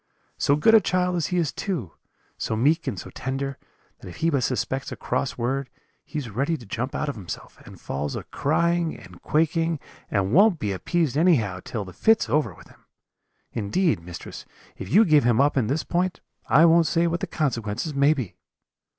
So good a child as he is too: so meek and so tender, that if he but suspects a cross word, he is ready to jump out of himself, and falls a crying and quaking, and won't be appeased anyhow, till the fit's over with him. Indeed, mistress, if you give him up in this point, I won't say what the consequences may be.'